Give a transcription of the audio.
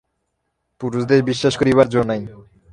পুরুষদের বিশ্বাস করিবার জো নাই।